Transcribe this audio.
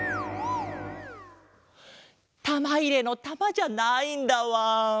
たまいれのたまじゃないんだわん。